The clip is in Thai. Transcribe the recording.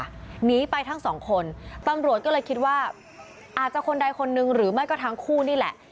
หนีไปทั้งสองคนตำรวจก็เลยคิดว่าอาจจะคนใดคนนึงหรือไม่ก็ทั้งคู่นี่แหละ